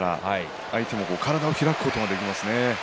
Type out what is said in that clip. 相手の体を開くこともできません。